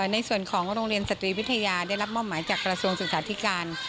ในส่วนของโรงเรียนสตรีวิทยาได้รับมอบหมายจากกระทรวงศึกษาธิการ